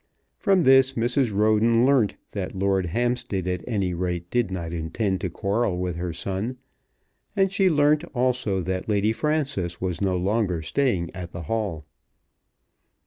From this Mrs. Roden learnt that Lord Hampstead at any rate did not intend to quarrel with her son, and she learnt also that Lady Frances was no longer staying at the Hall.